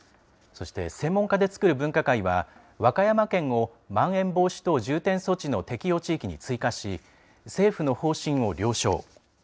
そして専門家で作る分科会は、和歌山県をまん延防止等重点措置の適用地域に追加し、政府の方針を了承。